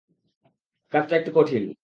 কাজটা একটু কঠিন।